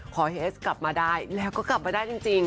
เฮสกลับมาได้แล้วก็กลับมาได้จริง